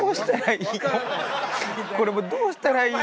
これもうどうしたらいい。